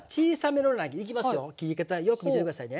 切り方よく見てて下さいね。